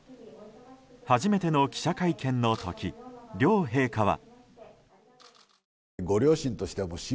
初めての記者会見の時両陛下は。